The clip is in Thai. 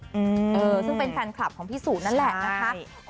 อืมเออซึ่งเป็นแฟนคลับของพี่สุนั่นแหละนะคะ